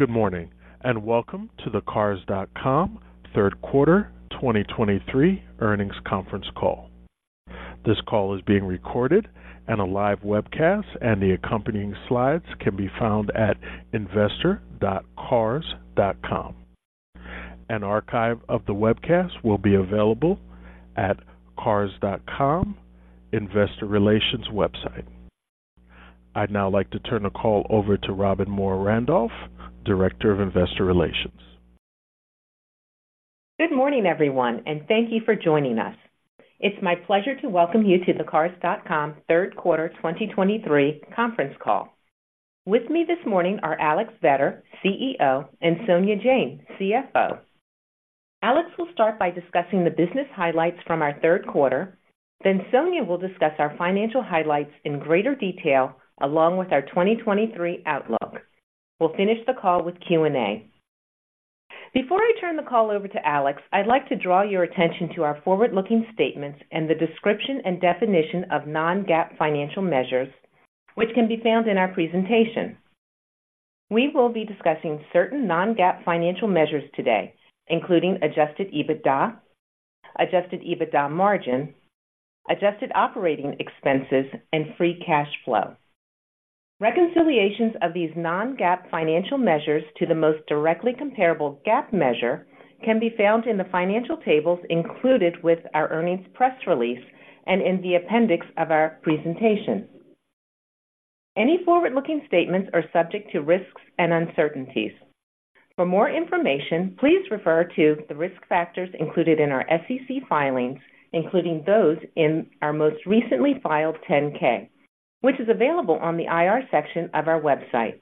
Good morning, and welcome to the Cars.com third quarter 2023 earnings conference call. This call is being recorded, and a live webcast, and the accompanying slides can be found at investor.cars.com. An archive of the webcast will be available at Cars.com Investor Relations website. I'd now like to turn the call over to Robbin Moore-Randolph, Director of Investor Relations. Good morning, everyone, and thank you for joining us. It's my pleasure to welcome you to the Cars.com third quarter 2023 conference call. With me this morning are Alex Vetter, CEO, and Sonia Jain, CFO. Alex will start by discussing the business highlights from our third quarter. Then Sonia will discuss our financial highlights in greater detail, along with our 2023 outlook. We'll finish the call with Q&A. Before I turn the call over to Alex, I'd like to draw your attention to our forward-looking statements and the description and definition of non-GAAP financial measures, which can be found in our presentation. We will be discussing certain non-GAAP financial measures today, including Adjusted EBITDA, Adjusted EBITDA margin, Adjusted operating expenses, and Free Cash Flow. Reconciliations of these non-GAAP financial measures to the most directly comparable GAAP measure can be found in the financial tables included with our earnings press release and in the appendix of our presentation. Any forward-looking statements are subject to risks and uncertainties. For more information, please refer to the risk factors included in our SEC filings, including those in our most recently filed 10-K, which is available on the IR section of our website.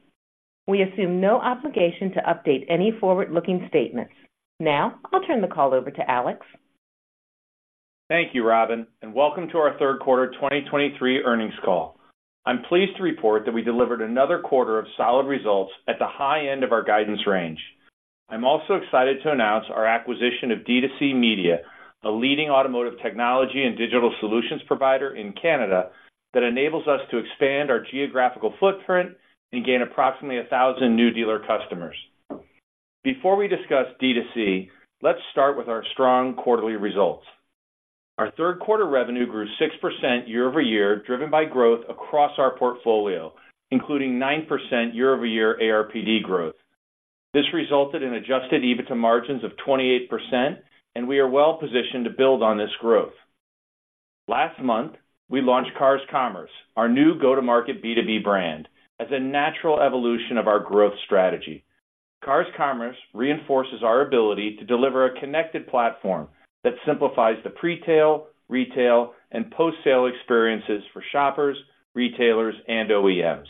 We assume no obligation to update any forward-looking statements. Now, I'll turn the call over to Alex. Thank you, Robbin, and welcome to our third quarter 2023 earnings call. I'm pleased to report that we delivered another quarter of solid results at the high end of our guidance range. I'm also excited to announce our acquisition of D2C Media, a leading automotive technology and digital solutions provider in Canada that enables us to expand our geographical footprint and gain approximately 1,000 new dealer customers. Before we discuss D2C, let's start with our strong quarterly results. Our third quarter revenue grew 6% year-over-year, driven by growth across our portfolio, including 9% year-over-year ARPD growth. This resulted in Adjusted EBITDA margins of 28%, and we are well positioned to build on this growth. Last month, we launched Cars Commerce, our new go-to-market B2B brand, as a natural evolution of our growth strategy. Cars Commerce reinforces our ability to deliver a connected platform that simplifies the pre-tail, retail, and post-sale experiences for shoppers, retailers, and OEMs.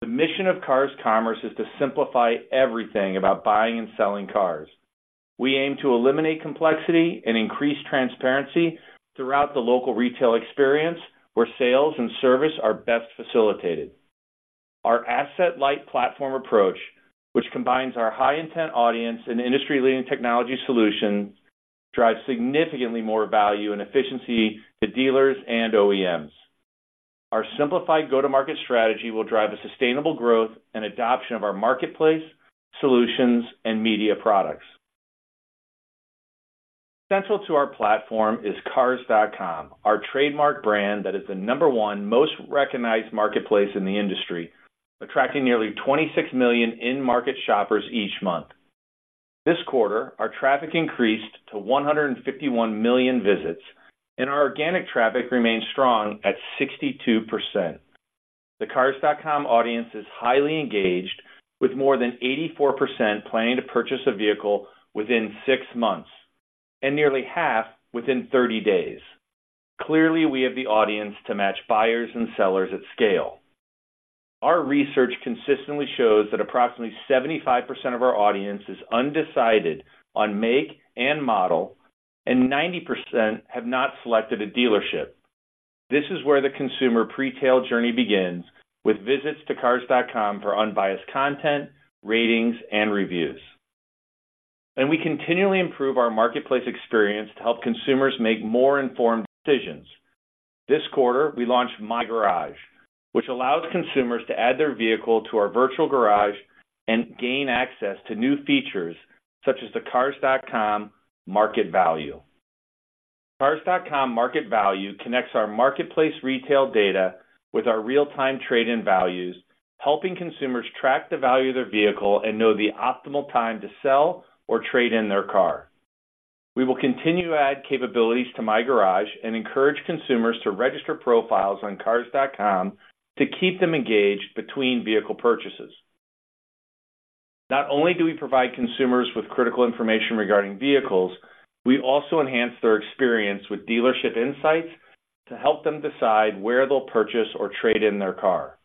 The mission of Cars Commerce is to simplify everything about buying and selling cars. We aim to eliminate complexity and increase transparency throughout the local retail experience, where sales and service are best facilitated. Our asset-light platform approach, which combines our high intent audience and industry-leading technology solutions, drives significantly more value and efficiency to dealers and OEMs. Our simplified go-to-market strategy will drive a sustainable growth and adoption of our marketplace, solutions, and media products. Central to our platform is Cars.com, our trademark brand that is the number one most recognized marketplace in the industry, attracting nearly 26 million in-market shoppers each month. This quarter, our traffic increased to 151 million visits, and our organic traffic remains strong at 62%. The Cars.com audience is highly engaged, with more than 84% planning to purchase a vehicle within 6 months and nearly half within 30 days. Clearly, we have the audience to match buyers and sellers at scale. Our research consistently shows that approximately 75% of our audience is undecided on make and model, and 90% have not selected a dealership. This is where the consumer Pre-tail journey begins, with visits to Cars.com for unbiased content, ratings, and reviews. We continually improve our marketplace experience to help consumers make more informed decisions. This quarter, we launched My Garage, which allows consumers to add their vehicle to our virtual garage and gain access to new features such as the Cars.com Market Value. Cars.com Market Value connects our marketplace retail data with our real-time trade-in values, helping consumers track the value of their vehicle and know the optimal time to sell or trade in their car. We will continue to add capabilities to My Garage and encourage consumers to register profiles on Cars.com to keep them engaged between vehicle purchases. Not only do we provide consumers with critical information regarding vehicles, we also enhance their experience with dealership insights to help them decide where they'll purchase or trade in their car.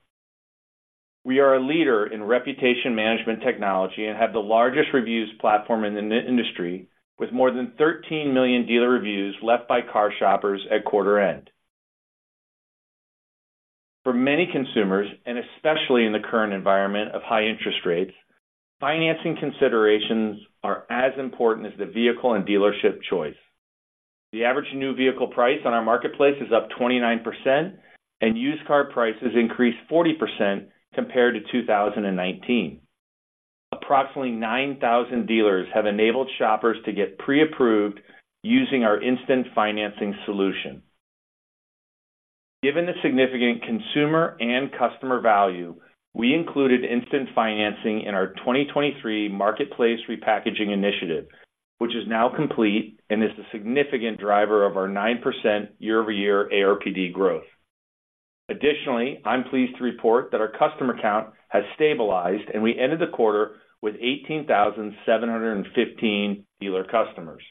We are a leader in reputation management technology and have the largest reviews platform in the industry, with more than 13 million dealer reviews left by car shoppers at quarter end. For many consumers, and especially in the current environment of high interest rates, financing considerations are as important as the vehicle and dealership choice. The average new vehicle price on our marketplace is up 29%, and used car prices increased 40% compared to 2019. Approximately 9,000 dealers have enabled shoppers to get pre-approved using our instant financing solution. Given the significant consumer and customer value, we included instant financing in our 2023 marketplace repackaging initiative, which is now complete and is a significant driver of our 9% year-over-year ARPD growth. Additionally, I'm pleased to report that our customer count has stabilized, and we ended the quarter with 18,715 dealer customers.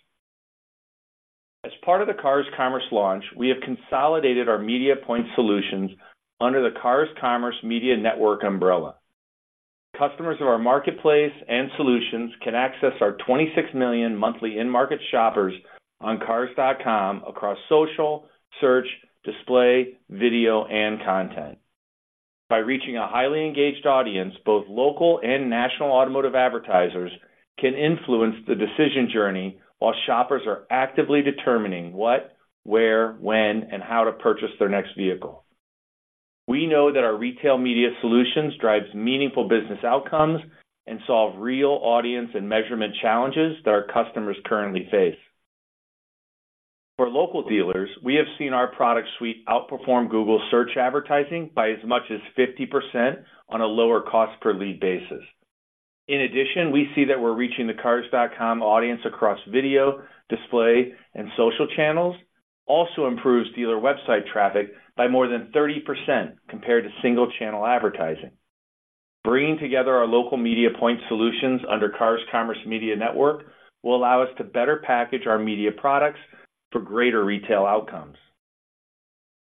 As part of the Cars Commerce launch, we have consolidated our MediaPoint solutions under the Cars Commerce Media Network umbrella. Customers of our marketplace and solutions can access our 26 million monthly in-market shoppers on Cars.com across social, search, display, video, and content. By reaching a highly engaged audience, both local and national automotive advertisers can influence the decision journey while shoppers are actively determining what, where, when, and how to purchase their next vehicle. We know that our retail media solutions drives meaningful business outcomes and solve real audience and measurement challenges that our customers currently face. For local dealers, we have seen our product suite outperform Google Search advertising by as much as 50% on a lower cost per lead basis. In addition, we see that we're reaching the Cars.com audience across video, display, and social channels, also improves dealer website traffic by more than 30% compared to single channel advertising. Bringing together our local media point solutions under Cars Commerce Media Network will allow us to better package our media products for greater retail outcomes.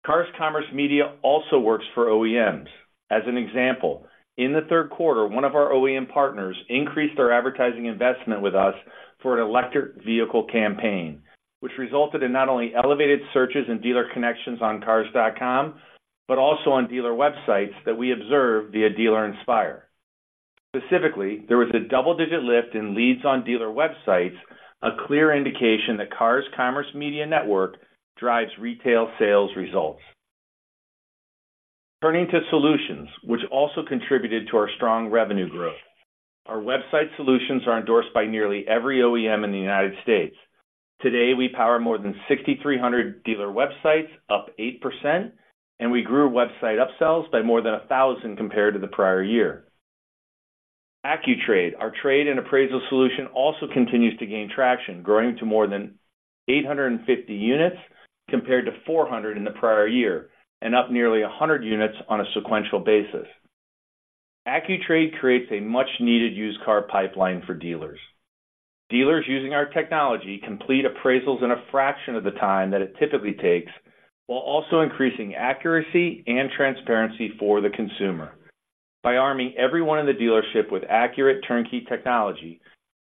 Cars Commerce Media also works for OEMs. As an example, in the third quarter, one of our OEM partners increased their advertising investment with us for an electric vehicle campaign, which resulted in not only elevated searches and dealer connections on Cars.com, but also on dealer websites that we observe via Dealer Inspire. Specifically, there was a double-digit lift in leads on dealer websites, a clear indication that Cars Commerce Media Network drives retail sales results. Turning to solutions, which also contributed to our strong revenue growth. Our website solutions are endorsed by nearly every OEM in the United States. Today, we power more than 6,300 dealer websites, up 8%, and we grew website upsells by more than 1,000 compared to the prior year. AccuTrade, our trade and appraisal solution, also continues to gain traction, growing to more than 850 units compared to 400 in the prior year, and up nearly 100 units on a sequential basis. AccuTrade creates a much needed used car pipeline for dealers. Dealers using our technology complete appraisals in a fraction of the time that it typically takes, while also increasing accuracy and transparency for the consumer. By arming everyone in the dealership with accurate turnkey technology,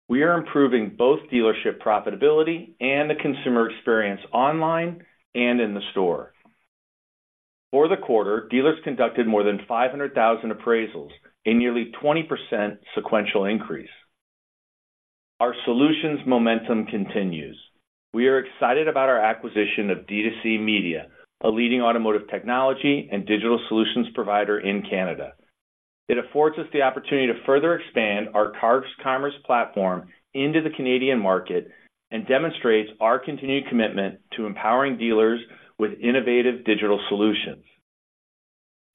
we are improving both dealership profitability and the consumer experience online and in the store. For the quarter, dealers conducted more than 500,000 appraisals, a nearly 20% sequential increase. Our solutions momentum continues. We are excited about our acquisition of D2C Media, a leading automotive technology and digital solutions provider in Canada. It affords us the opportunity to further expand our Cars Commerce platform into the Canadian market and demonstrates our continued commitment to empowering dealers with innovative digital solutions.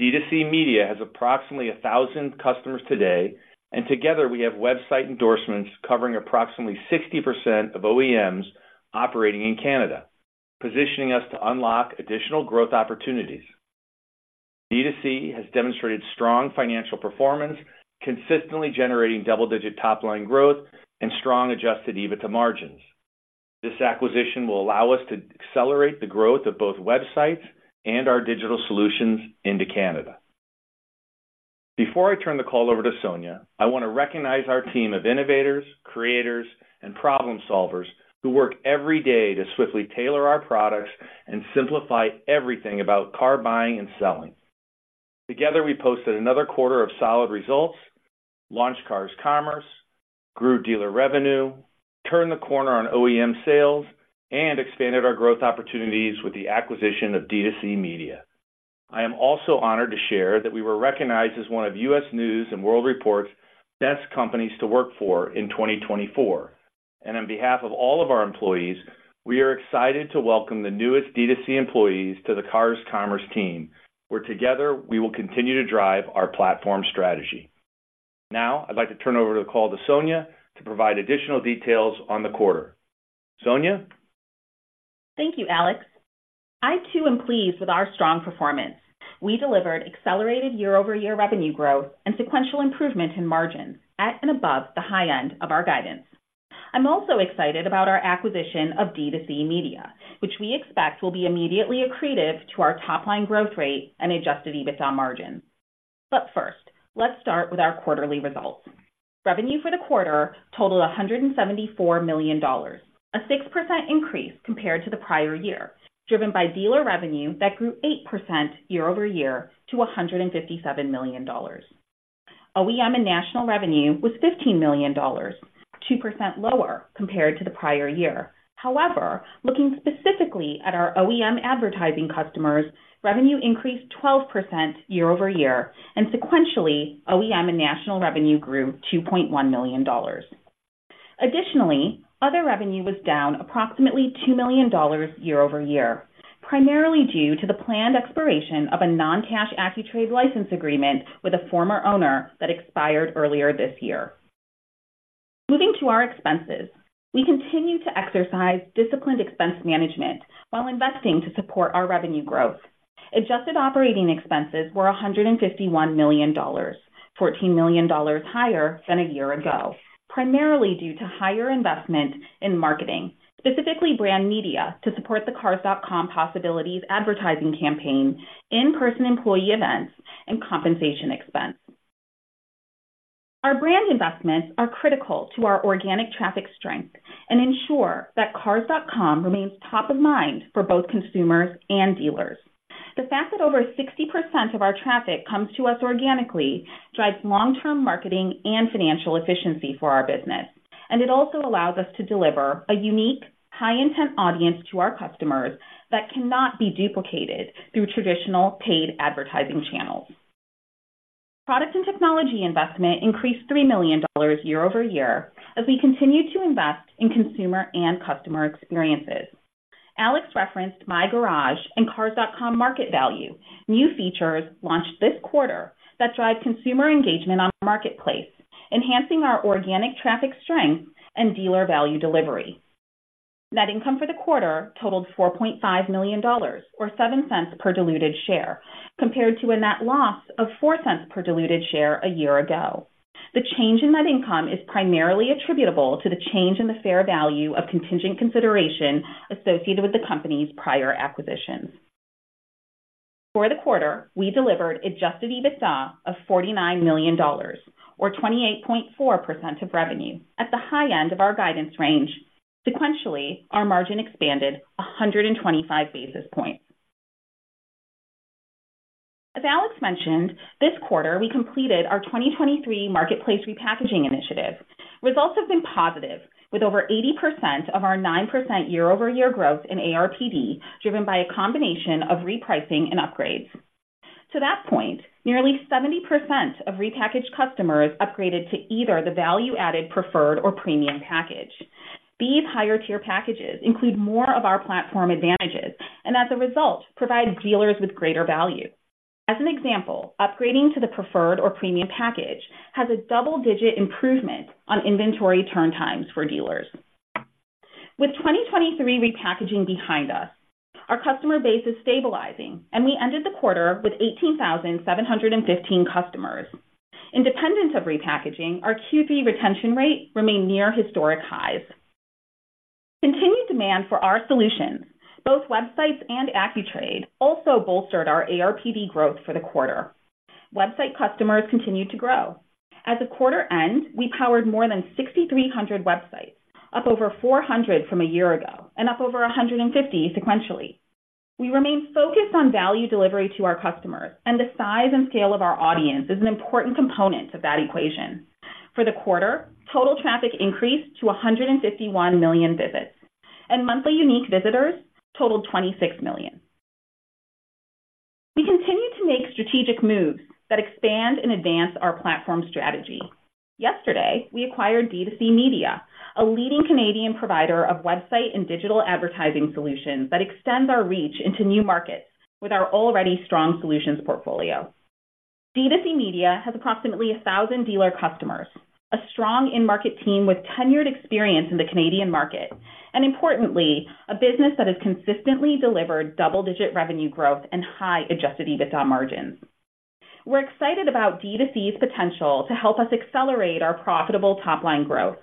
D2C Media has approximately 1,000 customers today, and together, we have website endorsements covering approximately 60% of OEMs operating in Canada, positioning us to unlock additional growth opportunities. D2C has demonstrated strong financial performance, consistently generating double-digit top-line growth and strong Adjusted EBITDA margins. This acquisition will allow us to accelerate the growth of both websites and our digital solutions into Canada. Before I turn the call over to Sonia, I want to recognize our team of innovators, creators, and problem solvers who work every day to swiftly tailor our products and simplify everything about car buying and selling. Together, we posted another quarter of solid results, launched Cars Commerce, grew dealer revenue, turned the corner on OEM sales, and expanded our growth opportunities with the acquisition of D2C Media. I am also honored to share that we were recognized as one of U.S. News & World Report's best companies to work for in 2024. And on behalf of all of our employees, we are excited to welcome the newest D2C employees to the Cars Commerce team, where together we will continue to drive our platform strategy. Now, I'd like to turn over the call to Sonia to provide additional details on the quarter. Sonia? Thank you, Alex. I too am pleased with our strong performance. We delivered accelerated year-over-year revenue growth and sequential improvement in margins at and above the high end of our guidance. I'm also excited about our acquisition of D2C Media, which we expect will be immediately accretive to our top line growth rate and Adjusted EBITDA margins. But first, let's start with our quarterly results. Revenue for the quarter totaled $174 million, a 6% increase compared to the prior year, driven by dealer revenue that grew 8% year-over-year to $157 million. OEM and national revenue was $15 million, 2% lower compared to the prior year. However, looking specifically at our OEM advertising customers, revenue increased 12% year-over-year, and sequentially, OEM and national revenue grew $2.1 million. Additionally, other revenue was down approximately $2 million year-over-year, primarily due to the planned expiration of a non-cash AccuTrade license agreement with a former owner that expired earlier this year. Moving to our expenses, we continue to exercise disciplined expense management while investing to support our revenue growth. Adjusted operating expenses were $151 million, $14 million higher than a year ago, primarily due to higher investment in marketing, specifically brand media, to support the Cars.com Possibilities advertising campaign, in-person employee events, and compensation expense. Our brand investments are critical to our organic traffic strength and ensure that Cars.com remains top of mind for both consumers and dealers. The fact that over 60% of our traffic comes to us organically drives long-term marketing and financial efficiency for our business, and it also allows us to deliver a unique, high-intent audience to our customers that cannot be duplicated through traditional paid advertising channels. Product and technology investment increased $3 million year-over-year as we continued to invest in consumer and customer experiences. Alex referenced My Garage and Cars.com market value, new features launched this quarter that drive consumer engagement on the marketplace, enhancing our organic traffic strength and dealer value delivery. Net income for the quarter totaled $4.5 million, or $0.07 per diluted share, compared to a net loss of $0.04 per diluted share a year ago. The change in net income is primarily attributable to the change in the fair value of contingent consideration associated with the company's prior acquisitions. For the quarter, we delivered Adjusted EBITDA of $49 million, or 28.4% of revenue at the high end of our guidance range. Sequentially, our margin expanded 125 basis points. As Alex mentioned, this quarter, we completed our 2023 marketplace repackaging initiative. Results have been positive, with over 80% of our 9% year-over-year growth in ARPD driven by a combination of repricing and upgrades. To that point, nearly 70% of repackaged customers upgraded to either the value-added Preferred or Premium package. These higher-tier packages include more of our platform advantages and as a result, provide dealers with greater value. As an example, upgrading to the Preferred or Premium package has a double-digit improvement on inventory turn times for dealers. With 2023 repackaging behind us, our customer base is stabilizing, and we ended the quarter with 18,715 customers. Independent of repackaging, our Q3 retention rate remained near historic highs. Continued demand for our solutions, both websites and AccuTrade, also bolstered our ARPD growth for the quarter. Website customers continued to grow. At the quarter end, we powered more than 6,300 websites, up over 400 from a year ago and up over 150 sequentially. We remain focused on value delivery to our customers, and the size and scale of our audience is an important component of that equation. For the quarter, total traffic increased to 151 million visits, and monthly unique visitors totaled 26 million. We continue to make strategic moves that expand and advance our platform strategy. Yesterday, we acquired D2C Media, a leading Canadian provider of website and digital advertising solutions that extends our reach into new markets with our already strong solutions portfolio. D2C Media has approximately 1,000 dealer customers, a strong in-market team with tenured experience in the Canadian market, and importantly, a business that has consistently delivered double-digit revenue growth and high Adjusted EBITDA margins. We're excited about D2C's potential to help us accelerate our profitable top-line growth.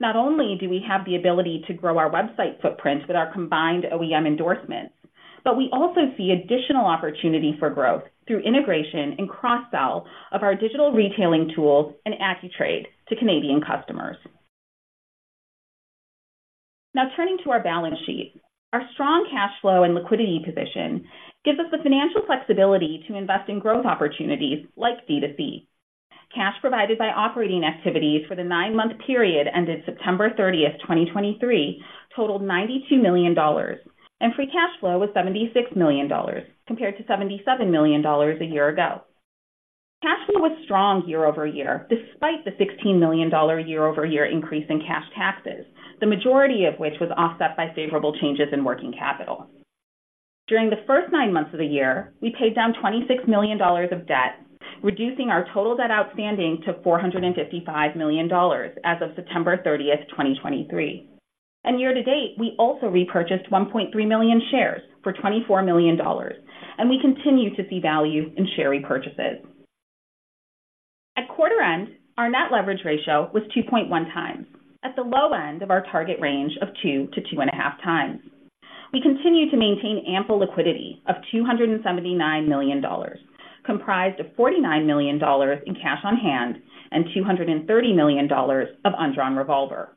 Not only do we have the ability to grow our website footprint with our combined OEM endorsements, but we also see additional opportunity for growth through integration and cross-sell of our digital retailing tools and AccuTrade to Canadian customers. Now turning to our balance sheet. Our strong cash flow and liquidity position gives us the financial flexibility to invest in growth opportunities like D2C. Cash provided by operating activities for the nine-month period ended September 30th, 2023, totaled $92 million, and free cash flow was $76 million, compared to $77 million a year ago. Cash flow was strong year-over-year, despite the $16 million year-over-year increase in cash taxes, the majority of which was offset by favorable changes in working capital. During the first nine months of the year, we paid down $26 million of debt, reducing our total debt outstanding to $455 million as of September 30, 2023. Year to date, we also repurchased 1.3 million shares for $24 million, and we continue to see value in share repurchases. At quarter end, our net leverage ratio was 2.1 times, at the low end of our target range of 2-2.5x. We continue to maintain ample liquidity of $279 million, comprised of $49 million in cash on hand and $230 million of undrawn revolver.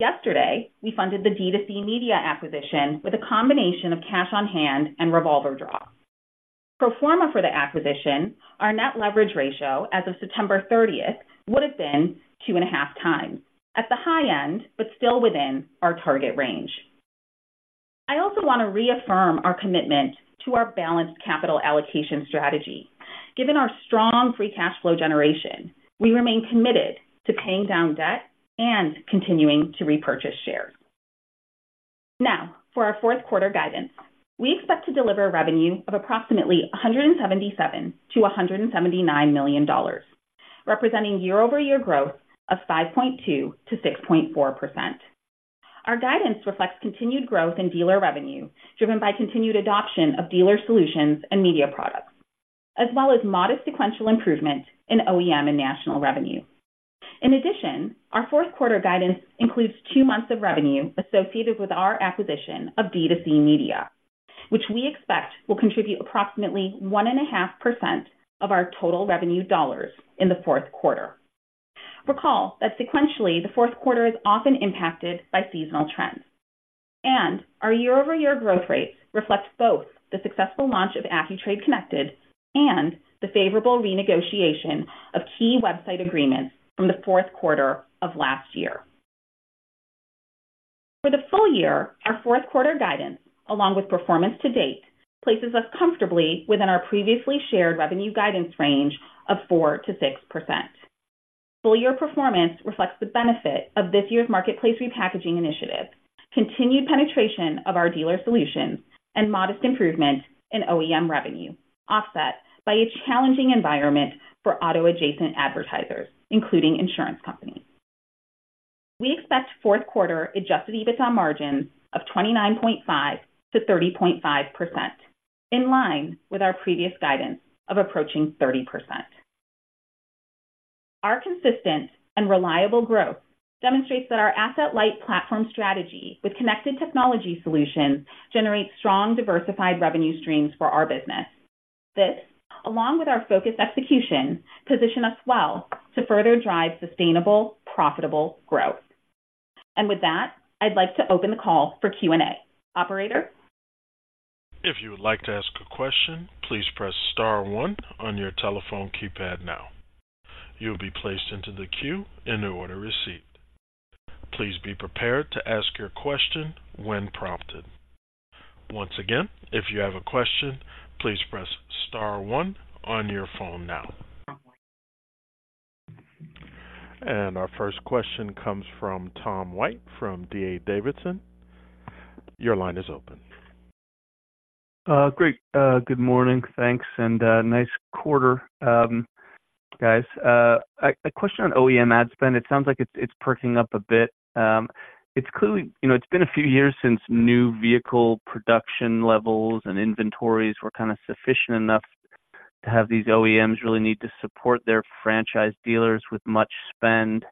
Yesterday, we funded the D2C Media acquisition with a combination of cash on hand and revolver draw. Pro forma for the acquisition, our net leverage ratio as of September 30 would have been 2.5x, at the high end, but still within our target range. I also want to reaffirm our commitment to our balanced capital allocation strategy. Given our strong free cash flow generation, we remain committed to paying down debt and continuing to repurchase shares. Now, for our fourth quarter guidance, we expect to deliver revenue of approximately $177 million-$179 million, representing year-over-year growth of 5.2%-6.4%. Our guidance reflects continued growth in dealer revenue, driven by continued adoption of dealer solutions and media products, as well as modest sequential improvements in OEM and national revenue. In addition, our fourth quarter guidance includes two months of revenue associated with our acquisition of D2C Media, which we expect will contribute approximately 1.5% of our total revenue dollars in the fourth quarter. Recall that sequentially, the fourth quarter is often impacted by seasonal trends, and our year-over-year growth rates reflect both the successful launch of AccuTrade Connected and the favorable renegotiation of key website agreements from the fourth quarter of last year. For the full year, our fourth quarter guidance, along with performance to date, places us comfortably within our previously shared revenue guidance range of 4%-6%. Full-year performance reflects the benefit of this year's marketplace repackaging initiative, continued penetration of our dealer solutions, and modest improvements in OEM revenue, offset by a challenging environment for auto-adjacent advertisers, including insurance companies. We expect fourth quarter Adjusted EBITDA margins of 29.5%-30.5%, in line with our previous guidance of approaching 30%. Our consistent and reliable growth demonstrates that our asset-light platform strategy with connected technology solutions generates strong, diversified revenue streams for our business. This, along with our focused execution, position us well to further drive sustainable, profitable growth. And with that, I'd like to open the call for Q&A. Operator? If you would like to ask a question, please press star one on your telephone keypad now. You'll be placed into the queue in the order received. Please be prepared to ask your question when prompted. Once again, if you have a question, please press star one on your phone now. And our first question comes from Tom White, from D.A. Davidson. Your line is open. Great. Good morning. Thanks, and nice quarter, guys. A question on OEM ad spend. It sounds like it's perking up a bit. It's clearly... You know, it's been a few years since new vehicle production levels and inventories were kind of sufficient enough to have these OEMs really need to support their franchise dealers with much spend.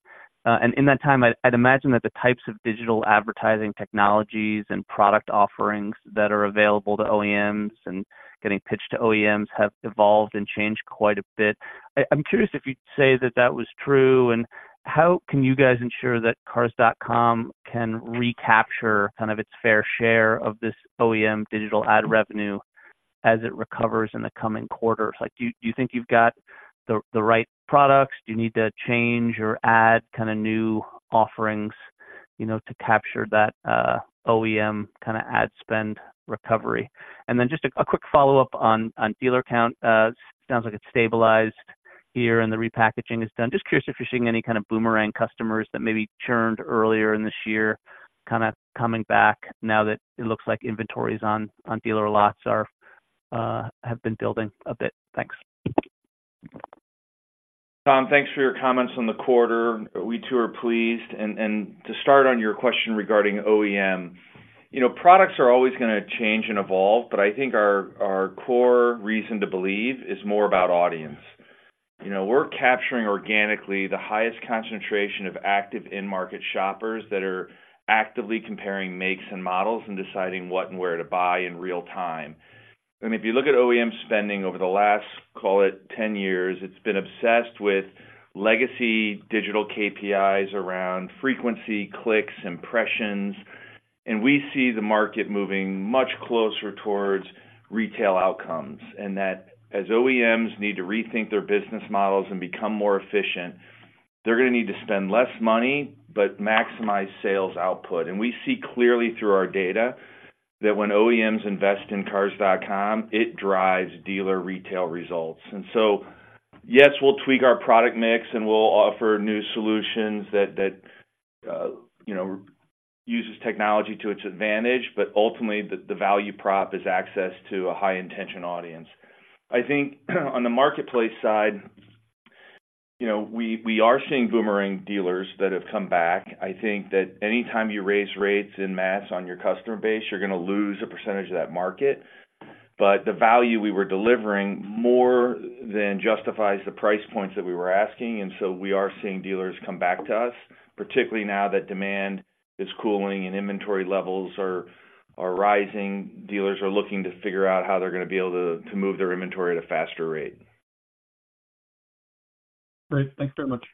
And in that time, I'd imagine that the types of digital advertising technologies and product offerings that are available to OEMs and getting pitched to OEMs have evolved and changed quite a bit. I'm curious if you'd say that that was true, and how can you guys ensure that Cars.com can recapture kind of its fair share of this OEM digital ad revenue as it recovers in the coming quarters? Like, do you think you've got the right products? Do you need to change or add kind of new offerings, you know, to capture that, OEM kind of ad spend recovery? And then just a quick follow-up on dealer count. Sounds like it's stabilized here and the repackaging is done. Just curious if you're seeing any kind of boomerang customers that maybe churned earlier in this year, kind of coming back now that it looks like inventories on dealer lots are, have been building a bit. Thanks. Tom, thanks for your comments on the quarter. We, too, are pleased. And to start on your question regarding OEM, you know, products are always going to change and evolve, but I think our core reason to believe is more about audience. You know, we're capturing organically the highest concentration of active in-market shoppers that are actively comparing makes and models and deciding what and where to buy in real time. And if you look at OEM spending over the last, call it 10 years, it's been obsessed with legacy digital KPIs around frequency, clicks, impressions, and we see the market moving much closer towards retail outcomes, and that as OEMs need to rethink their business models and become more efficient, they're going to need to spend less money but maximize sales output. And we see clearly through our data that when OEMs invest in Cars.com, it drives dealer retail results. And so, yes, we'll tweak our product mix, and we'll offer new solutions that, that, you know, uses technology to its advantage, but ultimately, the, the value prop is access to a high-intention audience. I think, on the marketplace side, you know, we, we are seeing boomerang dealers that have come back. I think that anytime you raise rates en masse on your customer base, you're going to lose a percentage of that market. But the value we were delivering more than justifies the price points that we were asking, and so we are seeing dealers come back to us, particularly now that demand is cooling and inventory levels are, are rising. Dealers are looking to figure out how they're going to be able to move their inventory at a faster rate. Great. Thanks very much.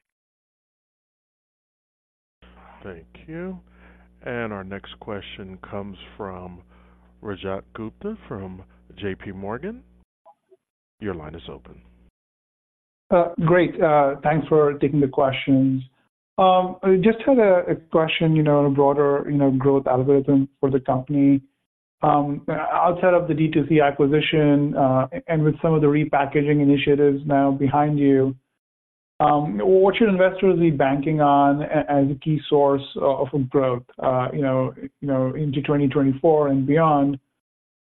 Thank you. Our next question comes from Rajat Gupta from JPMorgan. Your line is open. Great. Thanks for taking the questions. I just had a question, you know, on a broader, you know, growth algorithm for the company. Outside of the D2C acquisition, and with some of the repackaging initiatives now behind you, what should investors be banking on as a key source of growth, you know, into 2024 and beyond?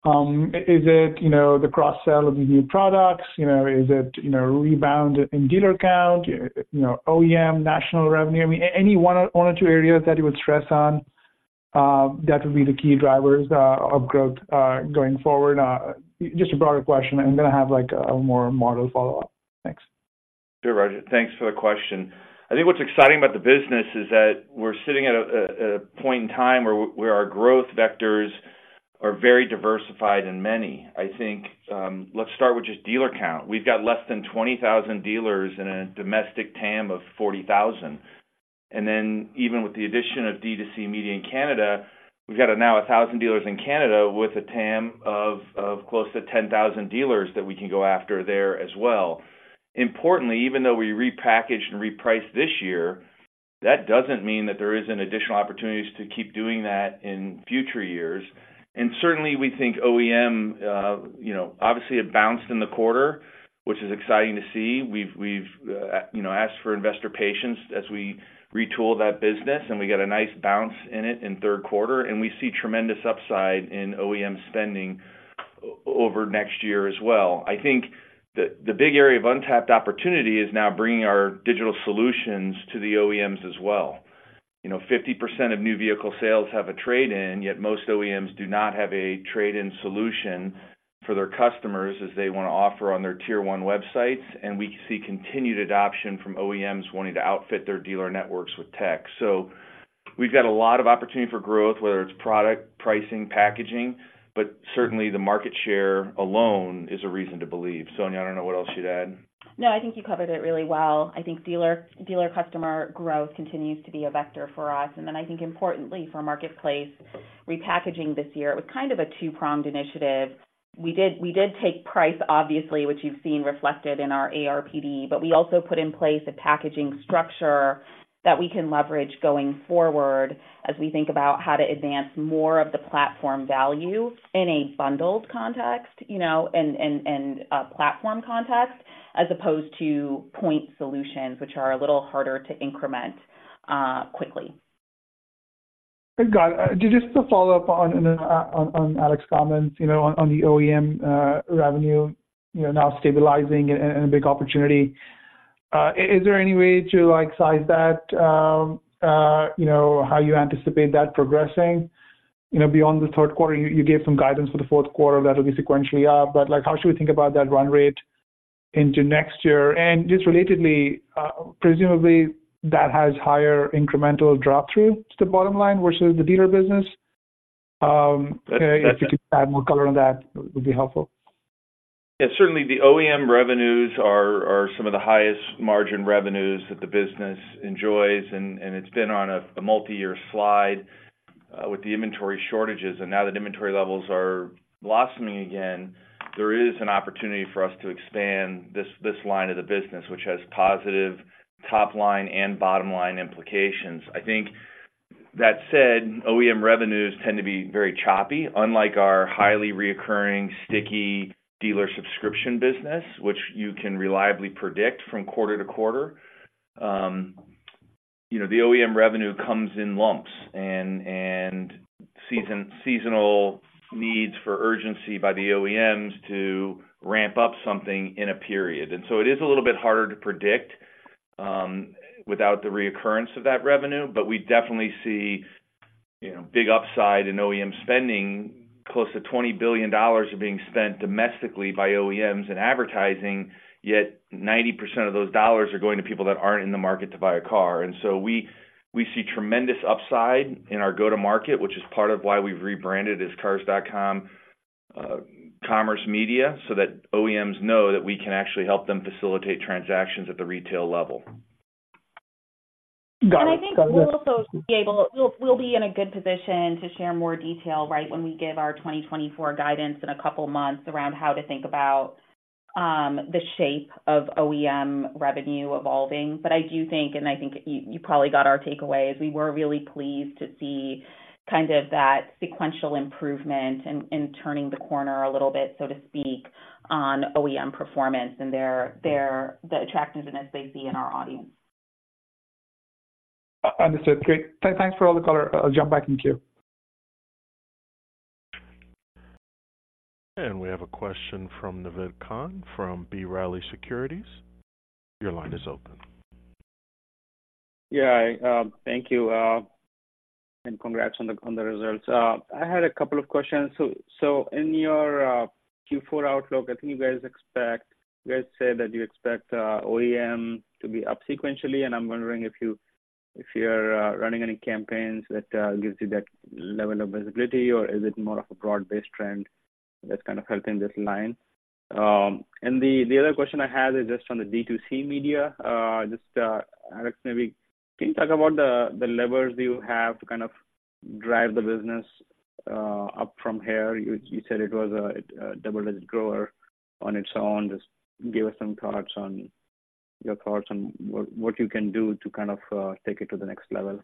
Is it, you know, the cross-sell of the new products? You know, is it, you know, rebound in dealer count, you know, OEM national revenue? I mean, any one or two areas that you would stress on, that would be the key drivers of growth going forward. Just a broader question. I'm going to have, like, a more model follow-up. Thanks. Sure, Rajat. Thanks for the question. I think what's exciting about the business is that we're sitting at a point in time where our growth vectors are very diversified and many. I think, let's start with just dealer count. We've got less than 20,000 dealers in a domestic TAM of 40,000. And then even with the addition of D2C Media in Canada, we've got now 1,000 dealers in Canada with a TAM of close to 10,000 dealers that we can go after there as well. Importantly, even though we repackaged and repriced this year, that doesn't mean that there isn't additional opportunities to keep doing that in future years. And certainly, we think OEM, you know, obviously, it bounced in the quarter, which is exciting to see. We've you know, asked for investor patience as we retool that business, and we get a nice bounce in it in third quarter, and we see tremendous upside in OEM spending over next year as well. I think the big area of untapped opportunity is now bringing our digital solutions to the OEMs as well. You know, 50% of new vehicle sales have a trade-in, yet most OEMs do not have a trade-in solution for their customers as they want to offer on their Tier 1 websites, and we see continued adoption from OEMs wanting to outfit their dealer networks with tech. So we've got a lot of opportunity for growth, whether it's product, pricing, packaging, but certainly the market share alone is a reason to believe. Sonia, I don't know what else you'd add. No, I think you covered it really well. I think dealer, dealer customer growth continues to be a vector for us. And then I think importantly for marketplace repackaging this year, it was kind of a two-pronged initiative. We did, we did take price, obviously, which you've seen reflected in our ARPD, but we also put in place a packaging structure that we can leverage going forward as we think about how to advance more of the platform value in a bundled context, you know, and, and, and a platform context, as opposed to point solutions, which are a little harder to increment quickly. Got it. Just to follow up on, on Alex's comments, you know, on the OEM, revenue, you know, now stabilizing and, and a big opportunity. Is there any way to, like, size that, you know, how you anticipate that progressing, you know, beyond the third quarter? You gave some guidance for the fourth quarter, that will be sequentially up, but, like, how should we think about that run rate into next year? And just relatedly, presumably, that has higher incremental drop-through to the bottom line versus the dealer business. If you could add more color on that, it would be helpful. Yeah, certainly the OEM revenues are some of the highest margin revenues that the business enjoys, and it's been on a multi-year slide with the inventory shortages. Now that inventory levels are blossoming again, there is an opportunity for us to expand this line of the business, which has positive top line and bottom line implications. I think that said, OEM revenues tend to be very choppy, unlike our highly recurring sticky dealer subscription business, which you can reliably predict from quarter to quarter. You know, the OEM revenue comes in lumps and seasonal needs for urgency by the OEMs to ramp up something in a period. So it is a little bit harder to predict without the recurrence of that revenue. But we definitely see, you know, big upside in OEM spending. Close to $20 billion are being spent domestically by OEMs in advertising, yet 90% of those dollars are going to people that aren't in the market to buy a car. And so we, we see tremendous upside in our go-to-market, which is part of why we've rebranded as Cars Commerce, so that OEMs know that we can actually help them facilitate transactions at the retail level. Got it. I think we'll also be able, we'll be in a good position to share more detail, right, when we give our 2024 guidance in a couple of months around how to think about the shape of OEM revenue evolving. But I do think, and I think you probably got our takeaway, is we were really pleased to see kind of that sequential improvement and turning the corner a little bit, so to speak, on OEM performance and their the attractiveness they see in our audience. Understood. Great. Thanks for all the color. I'll jump back in queue. We have a question from Naved Khan, from B. Riley Securities. Your line is open. Yeah, thank you, and congrats on the results. I had a couple of questions. So, in your Q4 outlook, I think you guys expect—you guys said that you expect OEM to be up sequentially, and I'm wondering if you're running any campaigns that gives you that level of visibility, or is it more of a broad-based trend that's kind of helping this line? And the other question I had is just on the D2C Media. Just, Alex, maybe can you talk about the levers you have to kind of drive the business up from here? You said it was a double-digit grower on its own. Just give us some thoughts on—your thoughts on what you can do to kind of take it to the next level.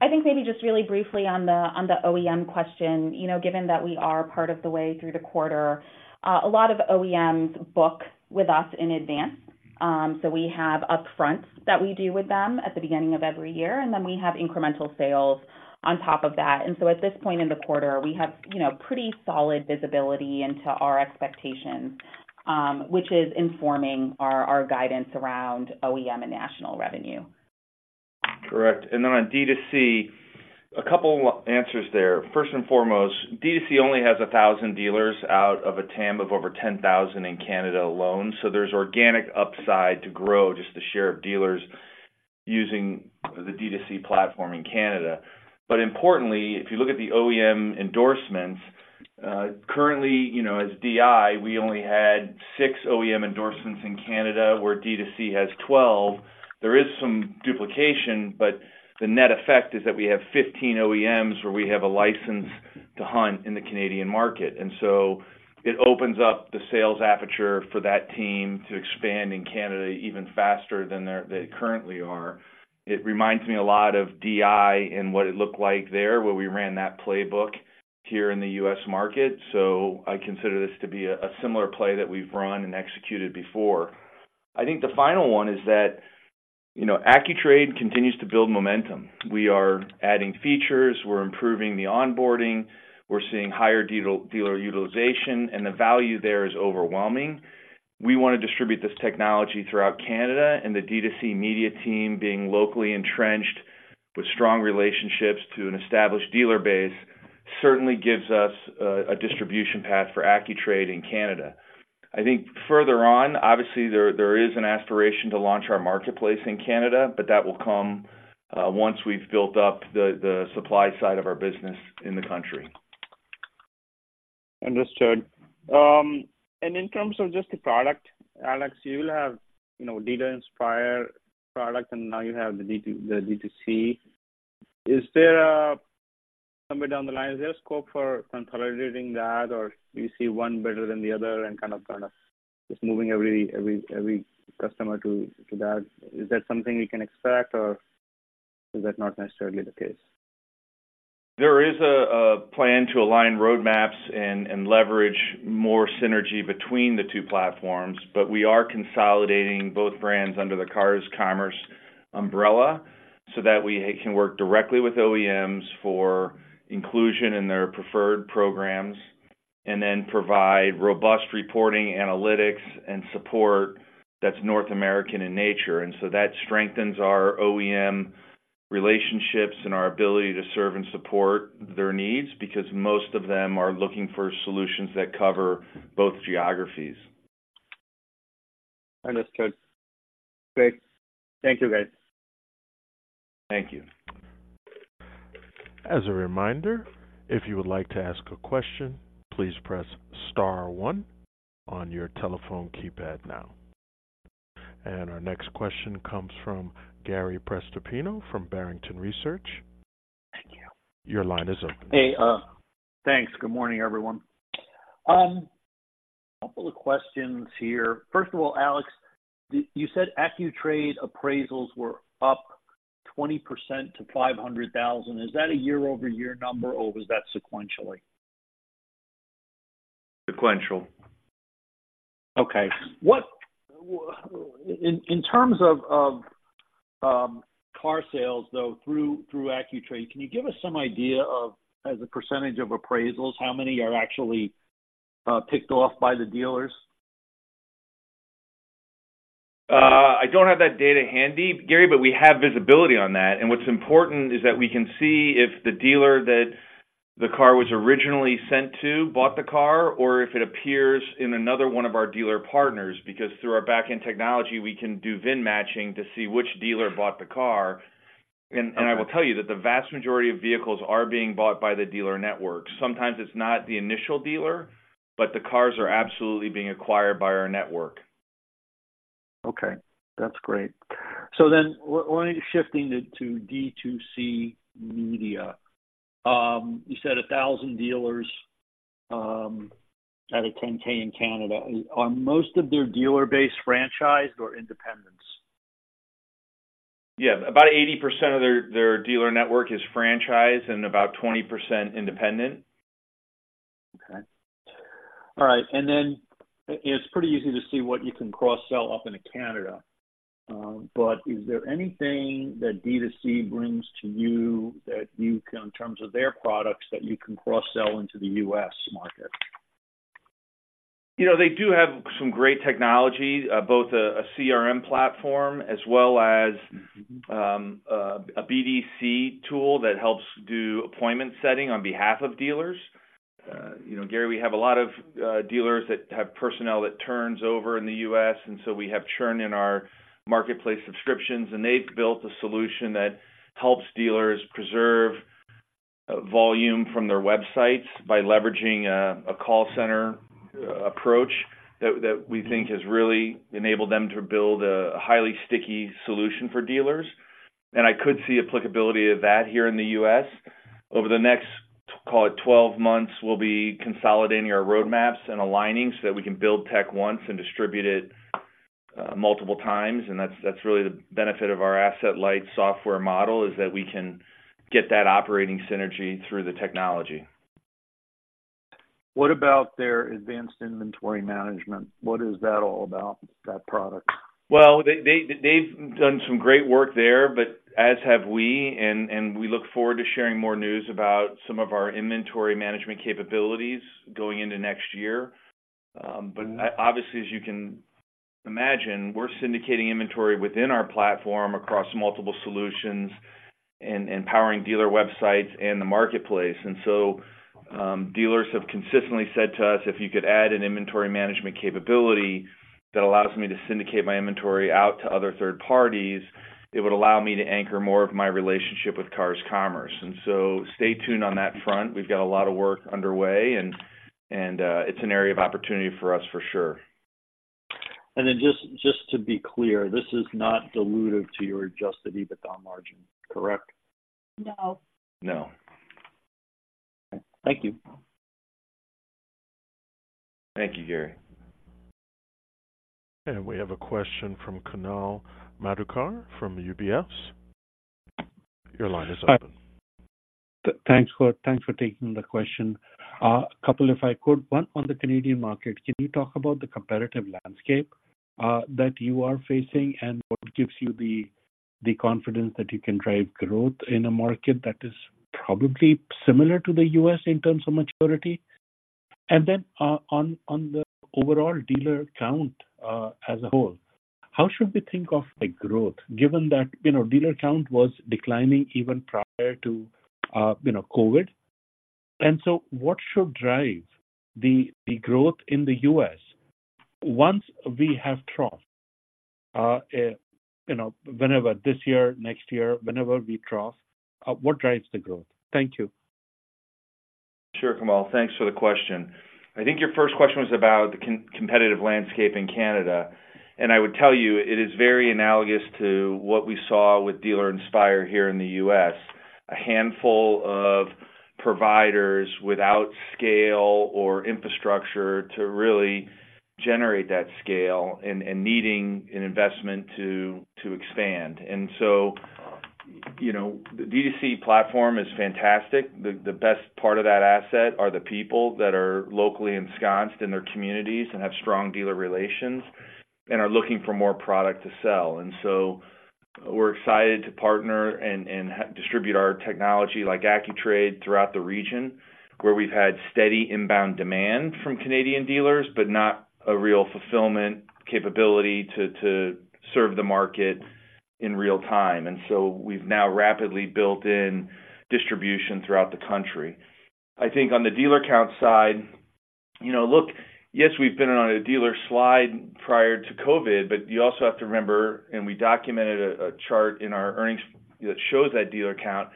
I think maybe just really briefly on the OEM question, you know, given that we are part of the way through the quarter, a lot of OEMs book with us in advance. So we have upfronts that we do with them at the beginning of every year, and then we have incremental sales on top of that. So at this point in the quarter, we have, you know, pretty solid visibility into our expectations, which is informing our guidance around OEM and national revenue. Correct. And then on D2C, a couple answers there. First and foremost, D2C only has 1,000 dealers out of a TAM of over 10,000 in Canada alone, so there's organic upside to grow, just the share of dealers using the D2C platform in Canada. But importantly, if you look at the OEM endorsements, currently, you know, as DI, we only had six OEM endorsements in Canada, where D2C has 12. There is some duplication, but the net effect is that we have 15 OEMs where we have a license to hunt in the Canadian market. And so it opens up the sales aperture for that team to expand in Canada even faster than they currently are. It reminds me a lot of DI and what it looked like there, where we ran that playbook here in the U.S. market. So I consider this to be a similar play that we've run and executed before. I think the final one is that, you know, AccuTrade continues to build momentum. We are adding features, we're improving the onboarding, we're seeing higher dealer utilization, and the value there is overwhelming. We want to distribute this technology throughout Canada, and the D2C Media team, being locally entrenched with strong relationships to an established dealer base, certainly gives us a distribution path for AccuTrade in Canada. I think further on, obviously, there is an aspiration to launch our marketplace in Canada, but that will come once we've built up the supply side of our business in the country. Understood. And in terms of just the product, Alex, you will have, you know, Dealer Inspire product, and now you have the D2C. Is there somewhere down the line, is there scope for consolidating that, or do you see one better than the other and kind of just moving every customer to that? Is that something we can expect, or is that not necessarily the case? There is a plan to align roadmaps and leverage more synergy between the two platforms, but we are consolidating both brands under the Cars Commerce umbrella, so that we can work directly with OEMs for inclusion in their preferred programs, and then provide robust reporting, analytics, and support that's North American in nature. And so that strengthens our OEM relationships and our ability to serve and support their needs, because most of them are looking for solutions that cover both geographies. Understood. Great. Thank you, guys. Thank you. As a reminder, if you would like to ask a question, please press star one on your telephone keypad now. Our next question comes from Gary Prestipino from Barrington Research. Thank you. Your line is open. Hey, thanks. Good morning, everyone. A couple of questions here. First of all, Alex, did you say AccuTrade appraisals were up 20% to 500,000? Is that a year-over-year number, or was that sequentially? Sequential. Okay. What in terms of car sales, though, through AccuTrade, can you give us some idea of, as a percentage of appraisals, how many are actually picked off by the dealers? I don't have that data handy, Gary, but we have visibility on that. What's important is that we can see if the dealer that the car was originally sent to bought the car or if it appears in another one of our dealer partners, because through our backend technology, we can do VIN matching to see which dealer bought the car. Okay. I will tell you that the vast majority of vehicles are being bought by the dealer network. Sometimes it's not the initial dealer, but the cars are absolutely being acquired by our network. Okay, that's great. So then when shifting to D2C Media, you said 1,000 dealers out of 10,000 in Canada. Are most of their dealer base franchised or independents? Yeah. About 80% of their dealer network is franchised and about 20% independent. Okay. All right. And then it's pretty easy to see what you can cross-sell off into Canada. But is there anything that D2C brings to you, that you can in terms of their products, that you can cross-sell into the U.S. market? You know, they do have some great technology, both a CRM platform, as well as a BDC tool that helps do appointment setting on behalf of dealers. You know, Gary, we have a lot of dealers that have personnel that turns over in the U.S., and so we have churn in our marketplace subscriptions, and they've built a solution that helps dealers preserve volume from their websites by leveraging a call center approach that we think has really enabled them to build a highly sticky solution for dealers. And I could see applicability of that here in the U.S. Over the next, call it 12 months, we'll be consolidating our roadmaps and aligning so that we can build tech once and distribute it multiple times. That's, that's really the benefit of our asset-light software model, is that we can get that operating synergy through the technology. What about their advanced inventory management? What is that all about, that product? Well, they've done some great work there, but as have we, and we look forward to sharing more news about some of our inventory management capabilities going into next year. But obviously, as you can imagine, we're syndicating inventory within our platform across multiple solutions and powering dealer websites and the marketplace. And so, dealers have consistently said to us, "If you could add an inventory management capability that allows me to syndicate my inventory out to other third parties, it would allow me to anchor more of my relationship with Cars Commerce." And so stay tuned on that front. We've got a lot of work underway, and it's an area of opportunity for us for sure. And then just, just to be clear, this is not dilutive to your Adjusted EBITDA margin, correct? No. No. Thank you. Thank you, Gary. We have a question from Kunal Madhukar from UBS. Your line is open. Thanks for, thanks for taking the question. A couple if I could. One, on the Canadian market, can you talk about the competitive landscape that you are facing, and what gives you the confidence that you can drive growth in a market that is probably similar to the U.S. in terms of maturity? And then, on the overall dealer count as a whole, how should we think of the growth, given that, you know, dealer count was declining even prior to, you know, COVID? And so what should drive the growth in the U.S. once we have trough, you know, whenever, this year, next year, whenever we trough, what drives the growth? Thank you. Sure, Kunal. Thanks for the question. I think your first question was about the competitive landscape in Canada. I would tell you, it is very analogous to what we saw with Dealer Inspire here in the U.S. A handful of providers without scale or infrastructure to really generate that scale and needing an investment to expand. And so, you know, the D2C platform is fantastic. The best part of that asset are the people that are locally ensconced in their communities and have strong dealer relations and are looking for more product to sell. And so we're excited to partner and distribute our technology, like AccuTrade, throughout the region, where we've had steady inbound demand from Canadian dealers, but not a real fulfillment capability to serve the market in real time. And so we've now rapidly built in distribution throughout the country. I think on the dealer count side, you know, look, yes, we've been on a dealer slide prior to COVID, but you also have to remember, and we documented a chart in our earnings that shows that dealer count.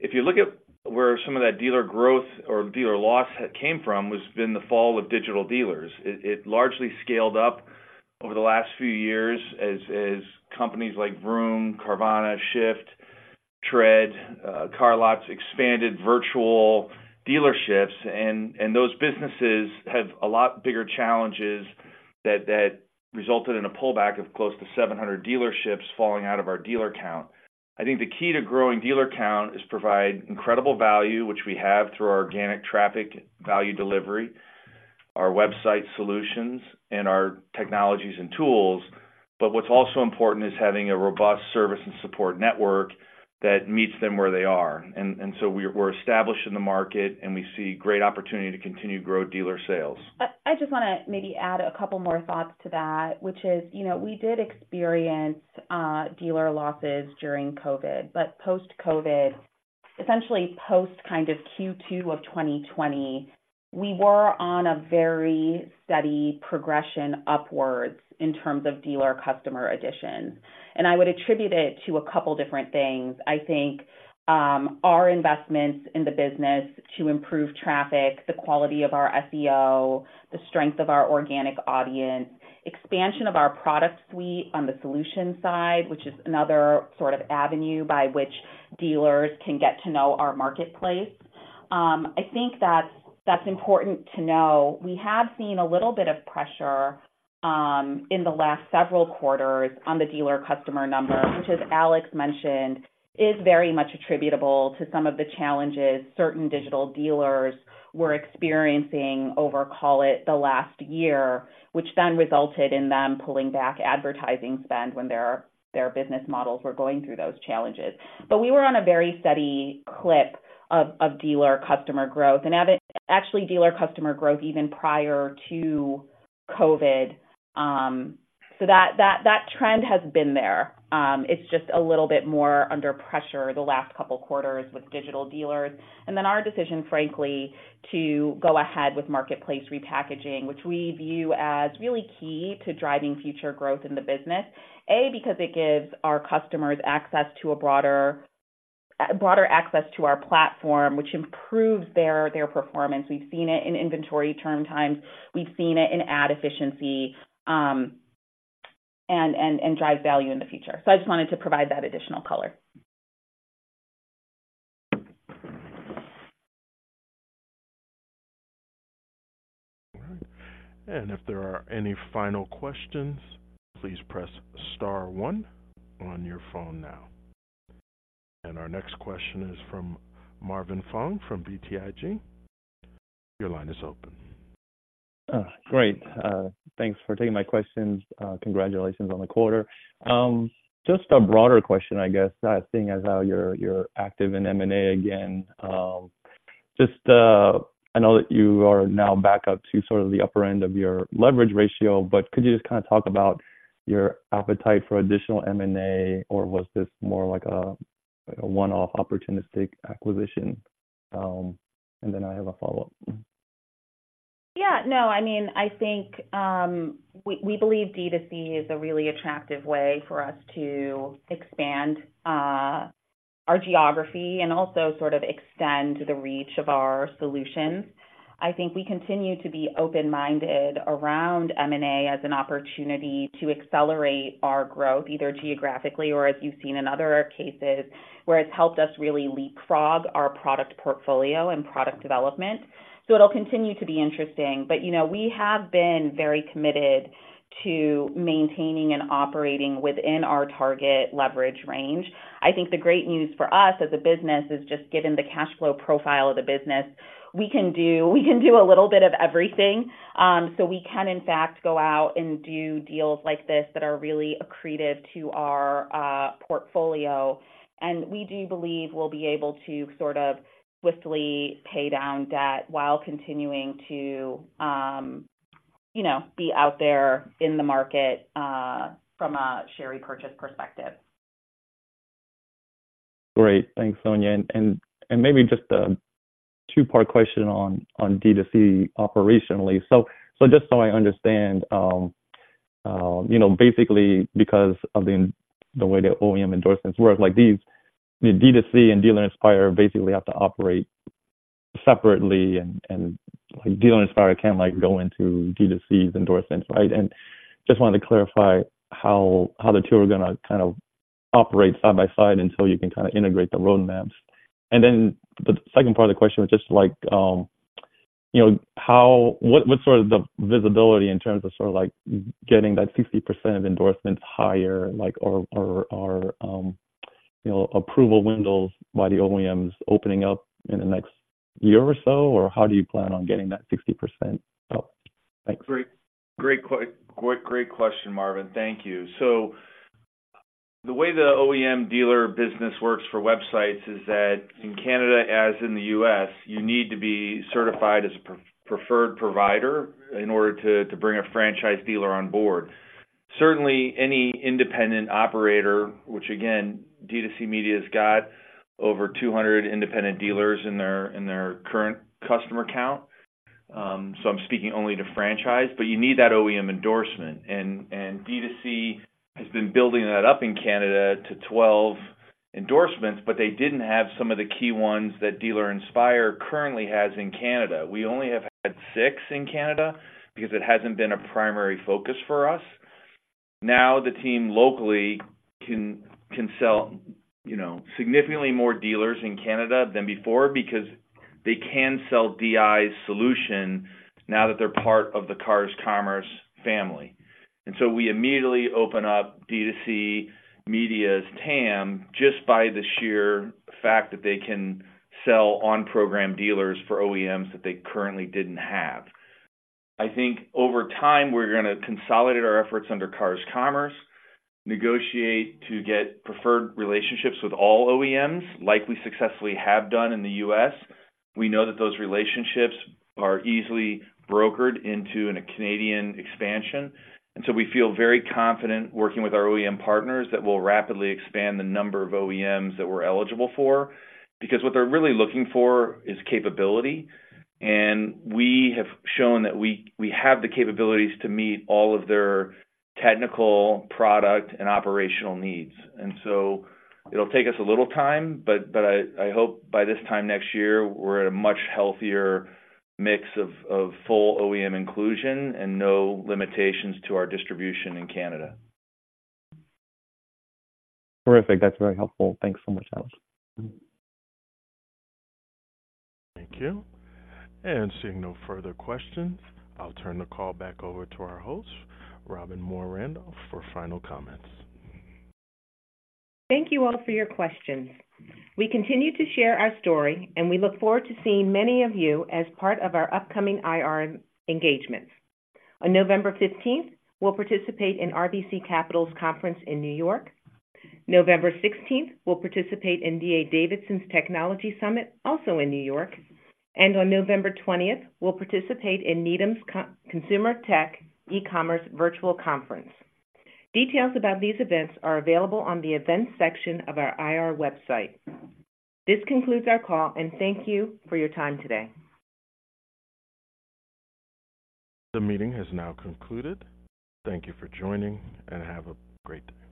If you look at where some of that dealer growth or dealer loss had came from, was been the fall of digital dealers. It largely scaled up over the last few years as companies like Vroom, Carvana, Shift, Tred, CarLotz expanded virtual dealerships, and those businesses have a lot bigger challenges that resulted in a pullback of close to 700 dealerships falling out of our dealer count. I think the key to growing dealer count is provide incredible value, which we have through our organic traffic value delivery, our website solutions, and our technologies and tools. But what's also important is having a robust service and support network that meets them where they are. And so we're established in the market, and we see great opportunity to continue to grow dealer sales. I just want to maybe add a couple more thoughts to that, which is, you know, we did experience dealer losses during COVID, but post-COVID, essentially post kind of Q2 of 2020, we were on a very steady progression upwards in terms of dealer customer additions. I would attribute it to a couple different things. I think our investments in the business to improve traffic, the quality of our SEO, the strength of our organic audience, expansion of our product suite on the solution side, which is another sort of avenue by which dealers can get to know our marketplace. I think that's important to know. We have seen a little bit of pressure in the last several quarters on the dealer customer number, which, as Alex mentioned, is very much attributable to some of the challenges certain digital dealers were experiencing over, call it, the last year, which then resulted in them pulling back advertising spend when their business models were going through those challenges. But we were on a very steady clip of dealer customer growth, and actually, dealer customer growth even prior to COVID. So that trend has been there. It's just a little bit more under pressure the last couple quarters with digital dealers, and then our decision, frankly, to go ahead with marketplace repackaging, which we view as really key to driving future growth in the business. A, because it gives our customers access to a broader broader access to our platform, which improves their their performance. We've seen it in inventory turn times, we've seen it in ad efficiency, and drives value in the future. So I just wanted to provide that additional color. All right. And if there are any final questions, please press star one on your phone now. Our next question is from Marvin Fong from BTIG. Your line is open. Great. Thanks for taking my questions. Congratulations on the quarter. Just a broader question, I guess, seeing as how you're active in M&A again. Just, I know that you are now back up to sort of the upper end of your leverage ratio, but could you just kind of talk about your appetite for additional M&A, or was this more like a one-off opportunistic acquisition? And then I have a follow-up. Yeah, no, I mean, I think, we, we believe D2C is a really attractive way for us to expand, our geography and also sort of extend the reach of our solutions. I think we continue to be open-minded around M&A as an opportunity to accelerate our growth, either geographically or as you've seen in other cases, where it's helped us really leapfrog our product portfolio and product development. So it'll continue to be interesting. But, you know, we have been very committed to maintaining and operating within our target leverage range. I think the great news for us as a business is just given the cash flow profile of the business, we can do, we can do a little bit of everything. So we can, in fact, go out and do deals like this that are really accretive to our, portfolio. We do believe we'll be able to sort of swiftly pay down debt while continuing to, you know, be out there in the market, from a share repurchase perspective. Great. Thanks, Sonia. And maybe just a two-part question on D2C operationally. So just so I understand, you know, basically, because of the way the OEM endorsements work, like these D2C and Dealer Inspire basically have to operate separately and, like, Dealer Inspire can't, like, go into D2C's endorsements, right? And just wanted to clarify how the two are going to kind of operate side by side until you can integrate the roadmaps. And then the second part of the question was just like, you know, what's sort of the visibility in terms of sort of like getting that 60% of endorsements higher, like, or you know, approval windows by the OEMs opening up in the next year or so? Or how do you plan on getting that 60% up? Thanks. Great, great question, Marvin. Thank you. So the way the OEM dealer business works for websites is that in Canada, as in the U.S., you need to be certified as a pre-preferred provider in order to bring a franchise dealer on board. Certainly, any independent operator, which again, D2C Media's got over 200 independent dealers in their current customer count. So I'm speaking only to franchise, but you need that OEM endorsement, and D2C has been building that up in Canada to 12 endorsements, but they didn't have some of the key ones that Dealer Inspire currently has in Canada. We only have had six in Canada because it hasn't been a primary focus for us. Now, the team locally can sell, you know, significantly more dealers in Canada than before because they can sell DI's solution now that they're part of the Cars Commerce family. And so we immediately open up D2C Media's TAM just by the sheer fact that they can sell on program dealers for OEMs that they currently didn't have. I think over time, we're going to consolidate our efforts under Cars Commerce, negotiate to get preferred relationships with all OEMs, like we successfully have done in the U.S. We know that those relationships are easily brokered into a Canadian expansion, and so we feel very confident working with our OEM partners that will rapidly expand the number of OEMs that we're eligible for. Because what they're really looking for is capability, and we have shown that we have the capabilities to meet all of their technical, product, and operational needs. And so it'll take us a little time, but I hope by this time next year, we're at a much healthier mix of full OEM inclusion and no limitations to our distribution in Canada. Terrific. That's very helpful. Thanks so much, Alex. Thank you. Seeing no further questions, I'll turn the call back over to our host, Robbin Moore-Randolph, for final comments. Thank you all for your questions. We continue to share our story, and we look forward to seeing many of you as part of our upcoming IR engagements. On November fifteenth, we'll participate in RBC Capital Markets' Conference in New York. November sixteenth, we'll participate in D.A. Davidson's Technology Summit, also in New York. And on November twentieth, we'll participate in Needham's Consumer Tech eCommerce Virtual Conference. Details about these events are available on the events section of our IR website. This concludes our call, and thank you for your time today. The meeting has now concluded. Thank you for joining, and have a great day.